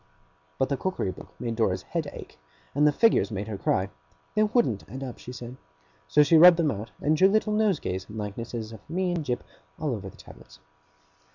But the cookery book made Dora's head ache, and the figures made her cry. They wouldn't add up, she said. So she rubbed them out, and drew little nosegays and likenesses of me and Jip, all over the tablets.